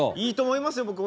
いいと思いますよ